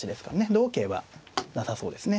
同桂はなさそうですね。